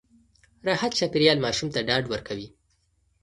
راحت چاپېريال ماشوم ته ډاډ ورکوي.